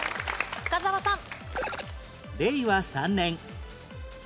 深澤さん。